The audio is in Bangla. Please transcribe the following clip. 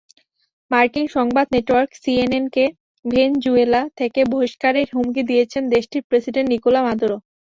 মার্কিন সংবাদ নেটওয়ার্ক সিএনএনকে ভেনেজুয়েলা থেকে বহিষ্কারের হুমকি দিয়েছেন দেশটির প্রেসিডেন্ট নিকোলা মাদুরো।